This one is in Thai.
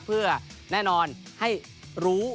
เพื่อแน่นอนให้รู้